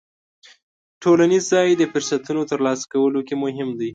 ټولنیز ځای د فرصتونو ترلاسه کولو کې مهم دی.